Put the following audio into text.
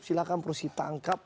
silahkan proses tangkap